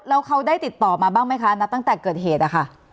แล้วเขาได้ติดต่อมาบ้างไหมคะณตั้งแต่เกิดเหตุอะค่ะ